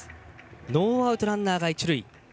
ノーアウトランナーが一塁。